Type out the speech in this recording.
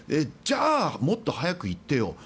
じゃあもっと早く言ってよ